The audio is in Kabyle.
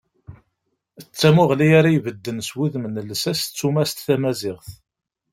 D tamuɣli ara ibedden s wudem n llsas d tumast tamaziɣt.